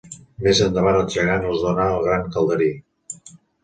Més endavant el gegant els dóna el gran calderí.